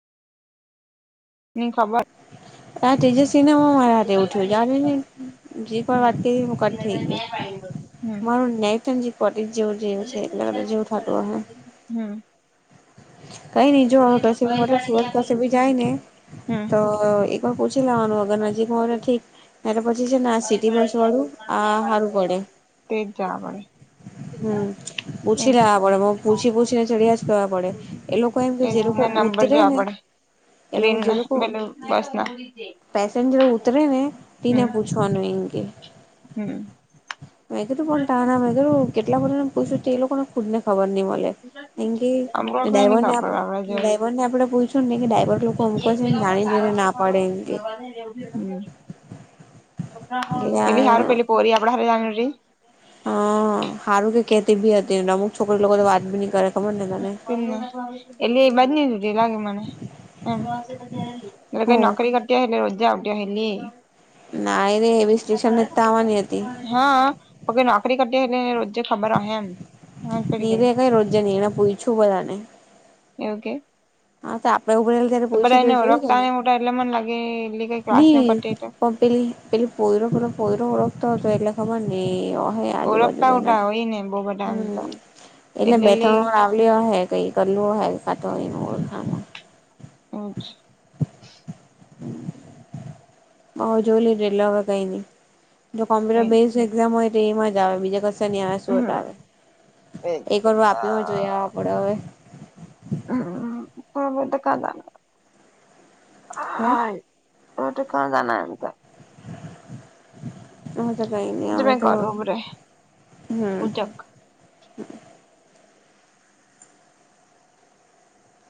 ની ખબર ત્યા તેજસ્વીને હું મારા હાથે એવું થયું જાવા દેની, જે પણ હમ વાત કરી હું કટ થઈ ગયો. હમ મારૂ નેટ પટી જ જેવું ગેલુ છે એટલે જેવું થતું અહે. હમ. કઈ ની જો કશે મતલબ સુરત કશે ભી જાય ને, હમ તો તો એક વાર પૂછી લેવાનું અગર નજીક હોય ને ઠીક. એટલે પછી છે ને આ સિટી બસ વાળું આ હારું પડે. તેજ જવા પડે હમ, એજ પૂછી લેવા પડે પૂછી પૂછીને ચડ્યા જ કરવા પડે. એ લોકો એમ કે એજ જે લોકો ના નંબર ઉતરે જોવા ને. પડે એ લોકો ટ્રેન જે ના લોકો પેલું બસ ના પેસેન્જર ઉતરે ને, તીને હમ પૂછ [unintelligible] હમ. મે કીધું પણ તારા વગર કેટલા બધા ને પુઈસુ તે લોકો ને હો ખુદ ને ખબર ની મળે. કેમ કે આમૂક [unintelligible] હમ ડ્રાઈવરને આપ ડ્રાઈવરને આપડે પૂછ્યું ને કે ડ્રાઈવર લોકો અમુક છે ને જાણી જોઈને ના પાડે એમ કે પેલી હારી પેલી હા પોરી આપડા હારું જ [unintelligible] હ અ હારું કે કેતી બી હતીને અમુક છોકરી લોકો તો વાત બી ની કરે ખબર ને તને. હ એટલે એ બાજ ની ઉતિ લાગે મને. અરે કઈ હમ નોકરી કરતી અહે એટલે રોજે આવતી અહે ને. નાય રે એબી સ્ટેશન જ તો આવવાની હતી. હ, અ અવે નોકરી કરતી અહે એટલે રોજે ખબર અહે એમ. નીરે કઈ રોજે ની એણે હો છુ બોલ આને. એવુ કે? હા તો આપડે ઉઘડેલું ત્યારે તો પૂયછું બધા તું એને એ જોયુ કે ઓળખતા ને ની? એટલે મને લાગે કઈ ક્લાસ ની ન કરતી એટલે પણ પેલી પેલી પોયરો પેલો પોયરો ઓળખતો હતો એટલે ખબર ની. હ એ આજુબાજુ ઓળખતા કોઈ ના ઓટા હોય ને બહુ બધા એમ તો હમ એટલે બે તણ વાર એટલે અહે કઈ કરેલું અહે કાતો એનો વર હાનો. અચ્છા. તો હો જોય લેજે એટલે હવે કઈ ની, જો કોમ્પ્યુટર બેઝ જો એક્ઝામ હોય તો એમાં જ આવે બીજે કશે ની આવે, સુરત આવે એક વાર વાપી મા- જોય આવા પડે હવે. હમ હે [unintelligible] [unintelligible] હ તો કઈ નહી, હવે તો હમ.